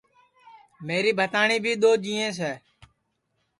میری بھتاٹؔی بھی دؔو جینٚیس ہے